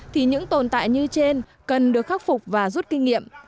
thì những tồn tại như trên cần được khắc phục và rút kinh nghiệm